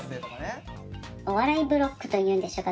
お笑いブロックというんでしょうか。